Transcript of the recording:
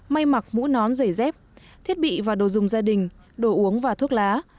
may mặc mũ nón giày dép thiết bị và đồ dùng gia đình đồ uống và thuốc lá